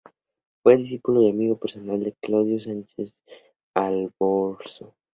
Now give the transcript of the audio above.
Fue discípulo y amigo personal de Claudio Sánchez Albornoz.